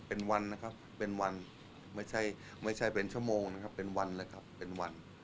เป็นวันนะครับเป็นวันไม่ใช่ไม่ใช่เป็นชั่วโมงนะครับเป็นวันแล้วครับเป็นวัน